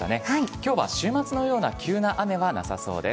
きょうは週末のような急な雨はなさそうです。